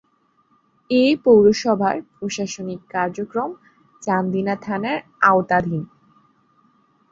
এ পৌরসভার প্রশাসনিক কার্যক্রম চান্দিনা থানার আওতাধীন।